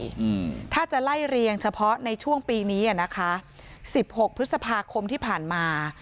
อืมถ้าจะไล่เรียงเฉพาะในช่วงปีนี้อ่ะนะคะสิบหกพฤษภาคมที่ผ่านมา